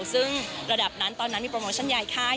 ซึ่งระดับนั้นตอนนั้นมีโปรโมชั่นยายค่าย